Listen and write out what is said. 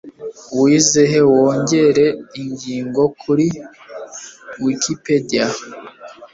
Wigeze wongera ingingo kuri Wikipedia?